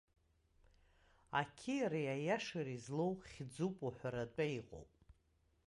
Ақьиареи аиашареи злоу хьӡуп уҳәаратәа иҟоуп.